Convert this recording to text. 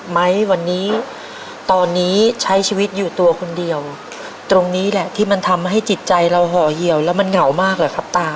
ไหมวันนี้ตอนนี้ใช้ชีวิตอยู่ตัวคนเดียวตรงนี้แหละที่มันทำให้จิตใจเราห่อเหี่ยวแล้วมันเหงามากเหรอครับตา